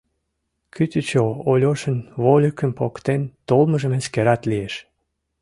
Кӱтӱчӧ Ольошын вольыкым поктен толмыжым эскерат лиеш.